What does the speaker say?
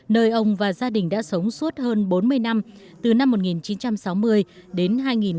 nơi ông và gia đình đã sống suốt hơn bốn mươi năm từ năm một nghìn chín trăm sáu mươi đến hai nghìn một mươi